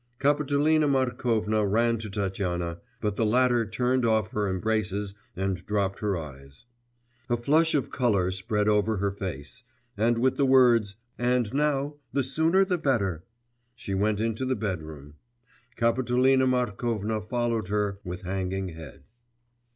Kapitolina Markovna ran to Tatyana; but the latter turned off her embraces and dropped her eyes; a flush of colour spread over her face, and with the words, 'and now, the sooner the better,' she went into the bedroom. Kapitolina Markovna followed her with hanging head.